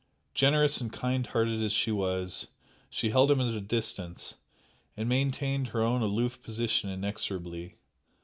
Generous and kind hearted as she was, she held him at a distance, and maintained her own aloof position inexorably.